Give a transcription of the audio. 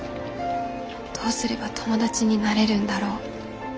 どうすれば友達になれるんだろう。